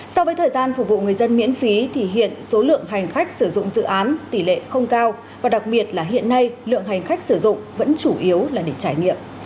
so với thời gian phục vụ người dân miễn phí thì hiện số lượng hành khách sử dụng dự án tỷ lệ không cao và đặc biệt là hiện nay lượng hành khách sử dụng vẫn chủ yếu là để trải nghiệm